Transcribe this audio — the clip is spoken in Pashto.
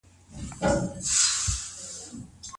د خاوند او ميرمني تر منځ اختلافات او شخړي پټ وي.